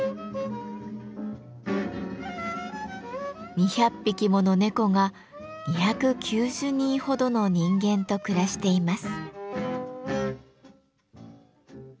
２００匹もの猫が２９０人ほどの人間と暮らしています。